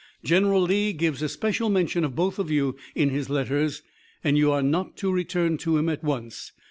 General Lee gives especial mention of both of you in his letters, and you are not to return to him at once.